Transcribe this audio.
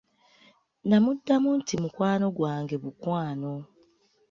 Nnamuddamu nti mukwano gwange bukwano.